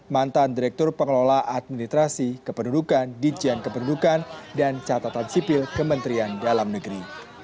mantan direktur pengelola administrasi kependudukan di jian kependudukan dan catatan sipil kementerian dalam negeri